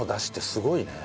すごいね。